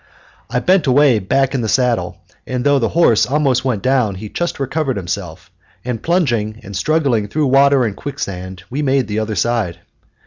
I bent away back in the saddle, and though the horse almost went down he just recovered himself, and, plunging and struggling through water and quicksand, we made the other side.